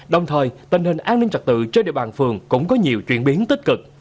đồng thời tình hình an ninh trật tự trên địa bàn phường cũng có nhiều chuyển biến tích cực